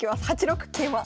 ８六桂馬。